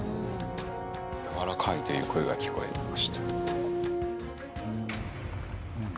「やわらかい」という声が聞こえてきました。